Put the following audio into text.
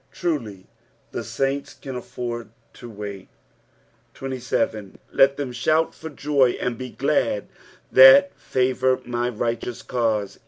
Truly, the saints can afford to wait. 27. " Let them thovl /or joy, and be glad, that favour my righttou* caute."